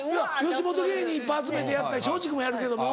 吉本芸人いっぱい集めてやったり松竹もやるけども。